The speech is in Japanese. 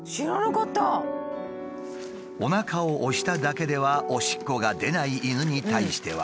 おなかを押しただけではおしっこが出ない犬に対しては。